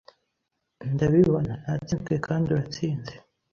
Ndabibona - Natsinzwe kandi uratsinze